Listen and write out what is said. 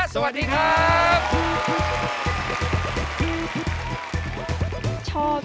สวัสดีครับ